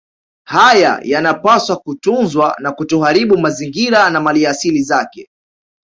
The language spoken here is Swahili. Haya yanapaswa kutunzwa na kutoharibu mazingira na maliasili zake